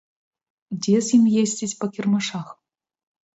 Дзе з ім ездзіць па кірмашах.